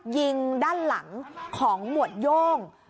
ยิงด้านหลังของหมวดโย่ง